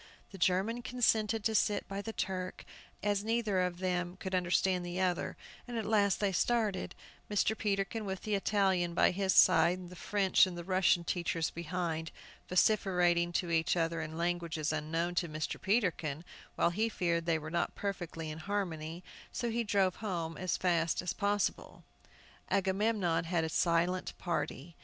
The German consented to sit by the Turk, as they neither of them could understand the other; and at last they started, Mr. Peterkin with the Italian by his side, and the French and Russian teachers behind, vociferating to each other in languages unknown to Mr. Peterkin, while he feared they were not perfectly in harmony, so he drove home as fast as possible. Agamemnon had a silent party.